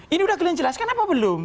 ini udah kalian jelaskan apa belum